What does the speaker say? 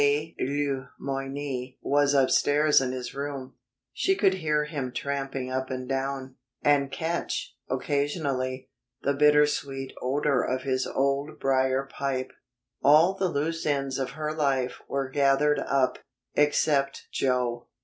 K. Le Moyne was upstairs in his room. She could hear him tramping up and down, and catch, occasionally, the bitter sweet odor of his old brier pipe. All the small loose ends of her life were gathered up except Joe.